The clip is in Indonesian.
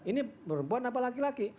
ini perempuan apa laki laki